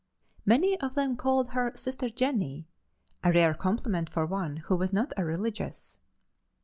Many of them called her "Sister Jennie," a rare compliment for one who was not a religious.